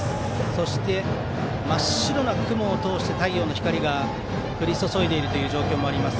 そして、真っ白な雲を通して太陽の光が降り注いでいる状況もあります。